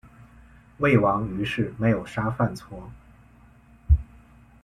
魏王于是没有杀范痤。